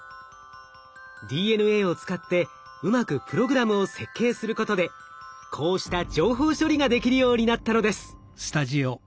ＤＮＡを使ってうまくプログラムを設計することでこうした情報処理ができるようになったのです。